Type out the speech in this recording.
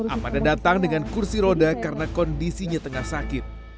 amanda datang dengan kursi roda karena kondisinya tengah sakit